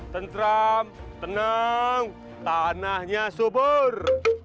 tentram tenang tanahnya subur